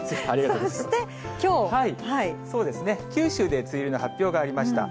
そうですね、九州で梅雨入りの発表がありました。